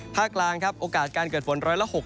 ภาคล้างครับโอกาสการเกิดฝนร้อยละ